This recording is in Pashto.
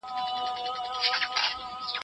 آيا کليشه يي کتابونه لوستونکي لري؟